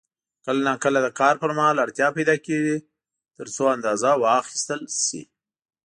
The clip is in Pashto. کله نا کله د کار پر مهال اړتیا پیدا کېږي ترڅو اندازه واخیستل شي.